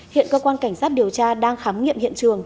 hiện cơ quan cảnh sát điều tra đang khám nghiệm hiện trường